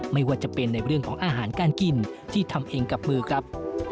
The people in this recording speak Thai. ไม่ว่าจะเป็นในเรื่องของอาหารการกินที่ทำเองกับมือครับ